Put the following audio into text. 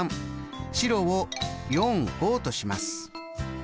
白を４５とします。